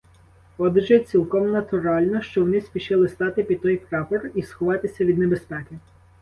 Отже, цілком натурально, що вони спішили стати під той прапор і сховатися від небезпеки.